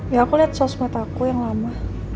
ya aku liat sos mataku yang lama